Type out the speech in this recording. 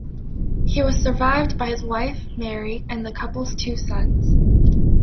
He was survived by his wife, Mary, and the couple's two sons.